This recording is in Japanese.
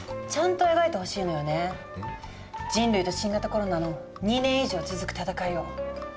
人類と新型コロナの２年以上続く戦いを。